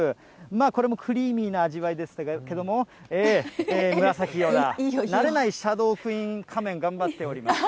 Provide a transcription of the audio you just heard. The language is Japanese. まあ、これもクリーミーな味わいですけれども紫、慣れないシャドークイーン仮面、頑張っております。